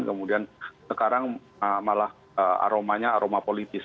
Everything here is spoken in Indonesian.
kemudian sekarang malah aromanya aroma politis